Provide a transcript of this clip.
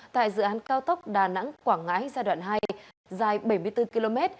tại dự án cao tốc đà nẵng quảng ngãi giai đoạn hai dài bảy mươi bốn km